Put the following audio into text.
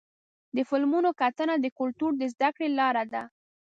د فلمونو کتنه د کلتور د زدهکړې لاره ده.